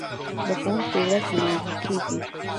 د ښوونکي ورځ لمانځل کیږي.